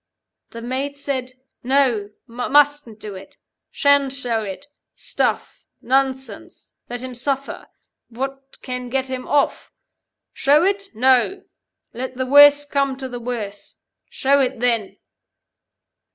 The Maid said, 'No. Mustn't do it. Shan't show it. Stuff. Nonsense. Let him suffer. We can get him off. Show it? No. Let the worst come to the worst. Show it, then.